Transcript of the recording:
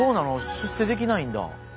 出世できないんだ。